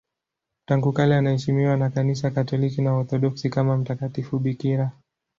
Tangu kale anaheshimiwa na Kanisa Katoliki na Waorthodoksi kama mtakatifu bikira.